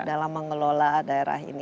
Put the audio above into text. dalam mengelola daerah ini